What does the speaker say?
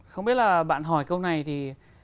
không biết là bạn hỏi câu này thì